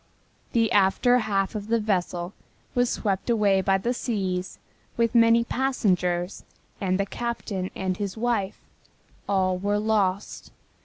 The after half of the vessel was swept away by the seas with many passengers and the captain and his wife. All were lost.